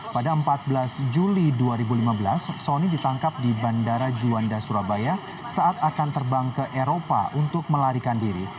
pada empat belas juli dua ribu lima belas sony ditangkap di bandara juanda surabaya saat akan terbang ke eropa untuk melarikan diri